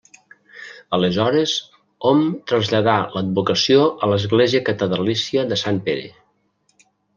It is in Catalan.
Aleshores hom traslladà l'advocació a l'església catedralícia de Sant Pere.